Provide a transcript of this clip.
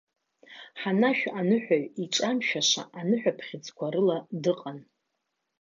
Ҳанашә аныҳәаҩ иҿамшәаша аныҳәаԥхьыӡқәа рыла дыҟан.